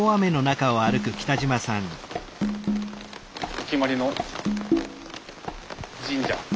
お決まりの神社。